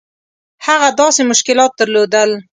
هغه داسې مشکلات درلودل.